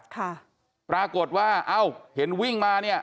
ค่ะปรากฏว่าเอ้าเห็นวิ่งมาเนี่ย